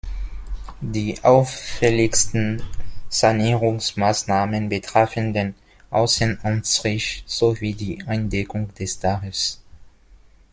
Die auffälligsten Sanierungsmaßnahmen betrafen den Außenanstrich sowie die Eindeckung des Daches.